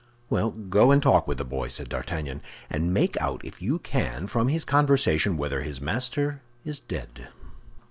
"Well, go and talk with the boy," said D'Artagnan, "and make out if you can from his conversation whether his master is dead."